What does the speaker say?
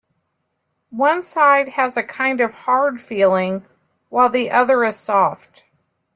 One side has a kind of hard feeling while the other is soft.